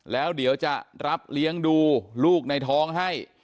แล้วเดี๋ยวจะรับเลี้ยงดูลูกในท้องให้